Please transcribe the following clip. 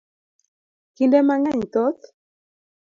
Kinde mang'eny thoth